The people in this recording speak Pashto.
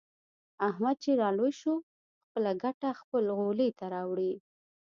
احمد چې را لوی شو. خپله ګټه خپل غولي ته راوړي.